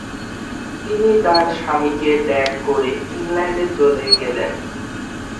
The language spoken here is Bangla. তিনি তার স্বামীকে ত্যাগ করে ইংল্যান্ডে চলে গেলেন।